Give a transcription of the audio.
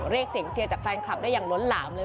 เรียกเสียงเชียร์จากแฟนคลับได้อย่างล้นหลามเลย